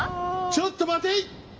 ちょっと待てい！